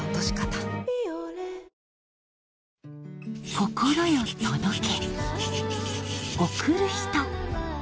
心よ届け